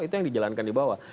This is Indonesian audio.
itu yang dijalankan di bawah